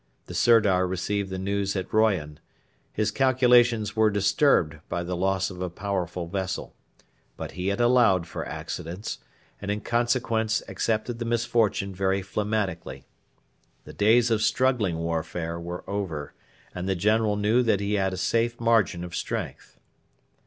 The Sirdar received the news at Royan. His calculations were disturbed by the loss of a powerful vessel; but he had allowed for accidents, and in consequence accepted the misfortune very phlegmatically. The days of struggling warfare were over, and the General knew that he had a safe margin of strength.